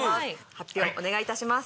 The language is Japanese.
発表お願いいたします。